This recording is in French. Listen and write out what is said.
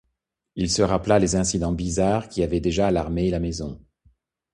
Il se rappela les incidents bizarres qui avaient déjà alarmé la maison.